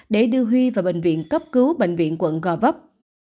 để đưa huy vào bệnh viện cấp cứu bệnh viện quận gò vấp